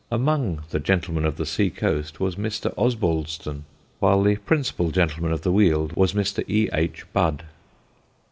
Among the Gentlemen of the Sea coast was Mr. Osbaldeston, while the principal Gentleman of the Weald was Mr. E. H. Budd.